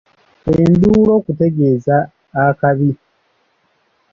Enduulu okutegeeza akabi.